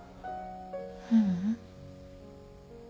ううん。